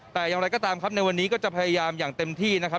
แต่อย่างไรก็ตามครับในวันนี้ก็จะพยายามอย่างเต็มที่นะครับ